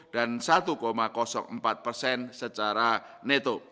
dan satu empat persen secara neto